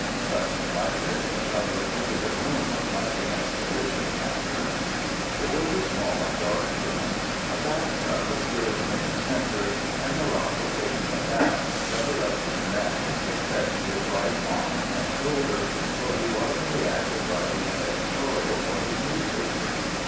Thus invited, Charlotte entered the room, much against the wish of Catherine. It was a small and dark room. A bath tub stood in the centre, and Marat was taking a bath, covered up to the neck, except his right arm and shoulder, for he was in the act of writing an editorial for his newspaper.